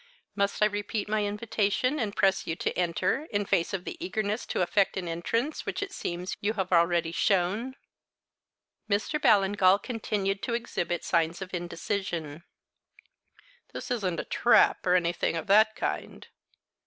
Must I repeat my invitation, and press you to enter, in face of the eagerness to effect an entrance which it seems that you have already shown?" Mr. Ballingall continued to exhibit signs of indecision. "This isn't a trap, or anything of that kind?"